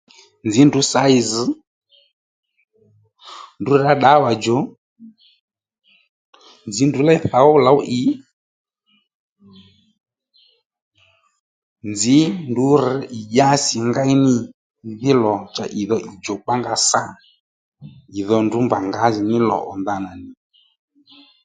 Nzǐ ndrǔ sǎ ì zz̀ ndrǔ rǎ ddǎwà djò nzǐ ndrǔ léy thǒw lǒw ì nzǐ ndrǔ rř ì dyási ngéy ní dhí lò cha ì dho ì djùkpa ónga sà ì dho ndrǔ mbà ngǎjìní lò ò ndanà nì